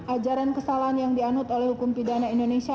ajaran kesalahan yang dianut oleh hukum pidana indonesia